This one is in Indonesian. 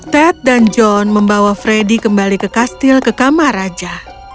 ted dan john membawa freddy kembali ke kastil ke kamar raja